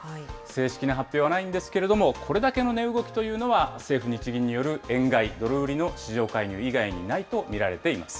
正式な発表はないんですけれども、これだけの値動きというのは、政府・日銀による円買いドル売りの市場介入以外にないと見られています。